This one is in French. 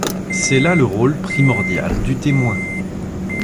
C'est là le rôle, primordial, du témoin.